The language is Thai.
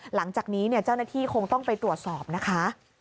หลังจากนี้เจ้าหน้าที่คงต้องไปตรวจสอบนะคะ